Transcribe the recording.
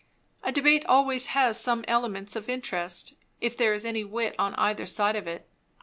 A debate always has some elements of interest, if there is any wit on either side of it.